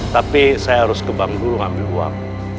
tapi saya harus ke bank dulu ngambil uang